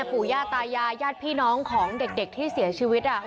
ปู่ย่าตายายญาติพี่น้องของเด็กที่เสียชีวิต